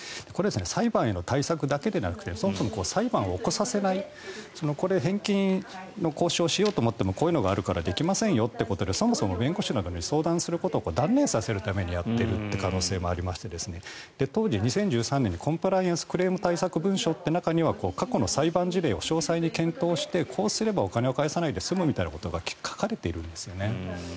裁判への対策だけではなくて裁判を起こさせない返金の交渉をしようと思ってもこういうのがあるからできませんってことでそもそも弁護士らに相談させることを断念させるためにやっているという可能性もありまして当時、２０１３年のコンプライアンスクレーム対策文書には過去の裁判事例を詳細に検討してこうすればお金を返さないで済むということが書かれているんですよね。